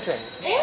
え！